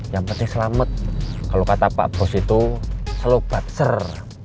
yang penting selamet kalo kata pak bos itu selalu badser